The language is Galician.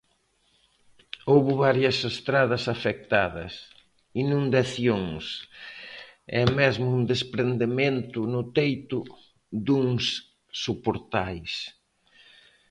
Houbo varias estradas afectadas, inundacións e mesmo un desprendemento no teito duns soportais.